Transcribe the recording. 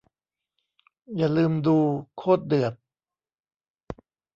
อย่าลืมดู โคตรเดือด